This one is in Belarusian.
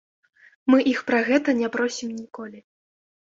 Мы іх пра гэта не просім ніколі.